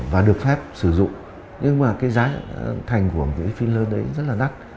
và được phép sử dụng nhưng mà cái giá thành của filler đấy rất là đắt